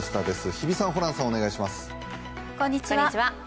日比さん、ホランさん、お願いします。